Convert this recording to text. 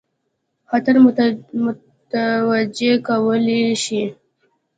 خطر متوجه کولای شي.